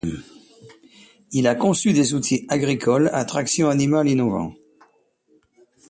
Il a conçu des outils agricoles à traction animale innovants.